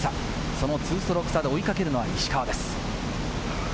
その２ストローク差で追いかけるのは石川です。